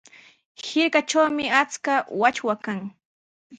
Hirkatrawmi achka wachwa kan.